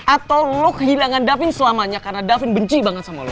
atau lo kehilangan davin selamanya karena davin benci banget sama lo